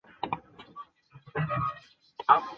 薄膜的拉伸导致样品分子和拉伸方向取向一致。